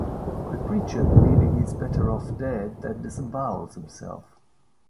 The creature, believing he is better off dead, then disembowels himself.